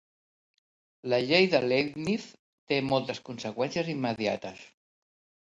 La Llei de Leibniz té moltes conseqüències immediates.